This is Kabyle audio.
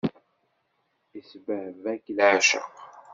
Isbehba-k leεceq.